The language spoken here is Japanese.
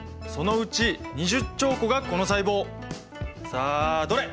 さあどれ？